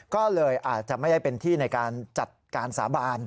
ก็เลยอาจจะไม่ได้เป็นที่ในการจัดการสาบาน